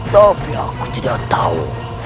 tapi aku tidak tahu